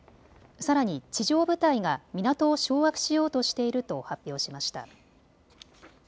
さらに地上部隊が港を掌握しようとしていると発表しました。